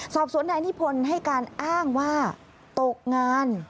สอบสวนนายนิพนธ์ให้การอ้างว่าตกงาน